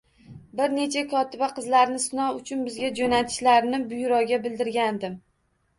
Bir necha kotiba qizlarni sinov uchun bizga jo`natishlarini byuroga bildirgandim